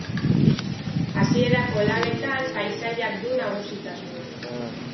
Hasierako lanetan paisaiak du nagusitasuna.